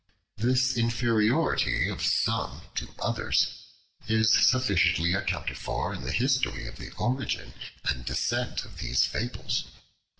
This inferiority of some to others is sufficiently accounted for in the history of the origin and descent of these fables.